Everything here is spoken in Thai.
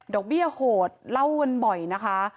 เบี้ยโหดเล่ากันบ่อยนะคะ